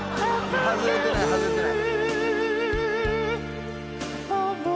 外れてない外れてない。